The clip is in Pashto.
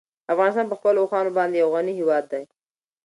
افغانستان په خپلو اوښانو باندې یو غني هېواد دی.